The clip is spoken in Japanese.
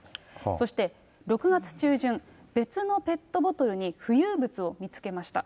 そして、６月中旬、別のペットボトルに浮遊物を見つけました。